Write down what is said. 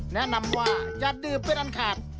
แนะนำว่าจะดื่มเป็นอันขาด